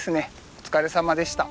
お疲れさまでした。